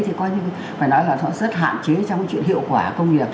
phải nói là họ rất hạn chế trong cái chuyện hiệu quả công việc